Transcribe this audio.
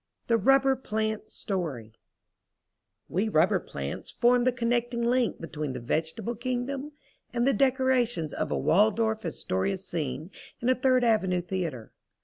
THE RUBBER PLANT'S STORY We rubber plants form the connecting link between the vegetable kingdom and the decorations of a Waldorf Astoria scene in a Third Avenue theatre.